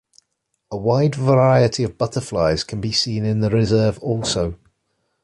A wide variety of butterflies can be seen in the reserve also.